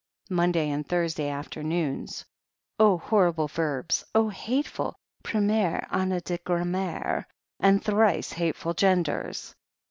Monday and Thursday afternoons. O horrible verbs, O hateful Pretniire Annie de Grammaire, and thrice hateful genders!